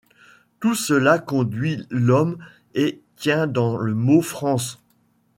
Tout cela conduit l'homme et tient dans le mot France !